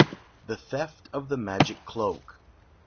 THE THEFT OF THE MAGIC CLOAK.